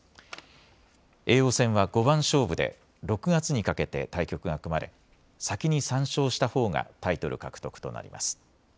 叡王戦は五番勝負で６月にかけて対局が組まれ、先に３勝したほうがタイトル獲得となります。